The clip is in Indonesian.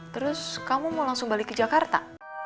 terus kamu mau langsung balik ke jakarta